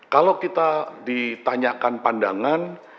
kalau kita ditanyakan pandangan